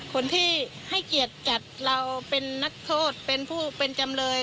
คนที่ให้เกียรติจัดเราเป็นนักโทษเป็นผู้เป็นจำเลย